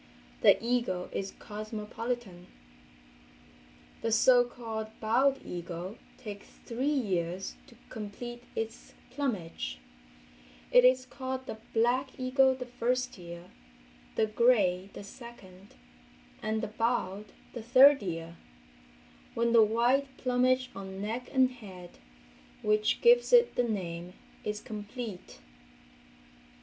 The eagle is cosmopolitan. The so called bald eagle takes three years to complete its plumage; it is called the "black" eagle the first year, the "gray" the second and the "bald" the third year, when the white plumage on neck and head, which gives it the name, is complete.